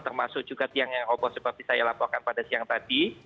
termasuk juga tiang yang roboh seperti saya laporkan pada siang tadi